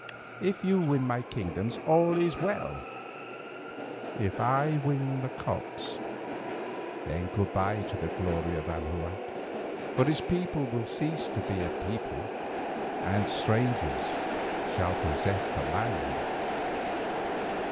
If you win my kingdoms all is well; if I win the cocks, then good bye to the glory of Anahuac, for its people will cease to be a people, and strangers shall possess the land."